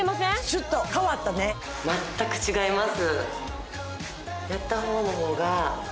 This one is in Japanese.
シュッと変わったねが実感できます